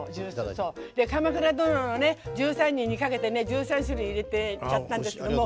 「鎌倉殿の１３人」にかけて１３種類入れたんですけど。